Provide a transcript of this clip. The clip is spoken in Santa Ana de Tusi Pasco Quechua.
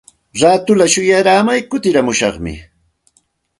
Raatulla shuyaaramay kutiramushaqmi.